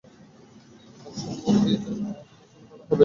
তার সম্মতি জানা তোমার জন্য ভালো হবে।